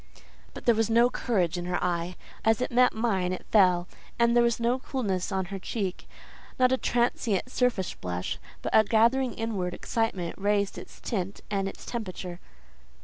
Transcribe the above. But there was no courage in her eye; as it met mine, it fell; and there was no coolness on her cheek—not a transient surface blush, but a gathering inward excitement raised its tint and its temperature.